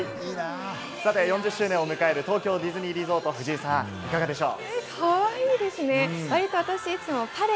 ４０周年を迎える東京ディズニーリゾート、藤井さん、いかがでしょう？